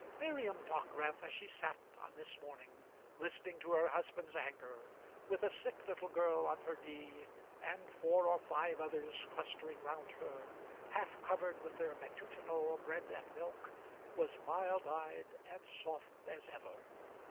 Miriam Dockwrath, as she sat on this morning, listening to her husband's anger, with a sick little girl on her knee, and four or five others clustering round her, half covered with their matutinal bread and milk, was mild eyed and soft as ever.